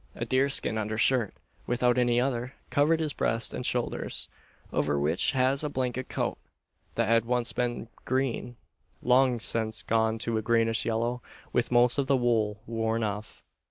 A deerskin under shirt, without any other, covered his breast and shoulders; over which was a "blanket coat," that had once been green, long since gone to a greenish yellow, with most of the wool worn off.